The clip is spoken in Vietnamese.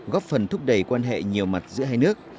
góp phần thúc đẩy quan hệ nhiều mặt giữa hai nước